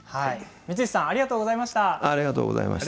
三石さんありがとうございました。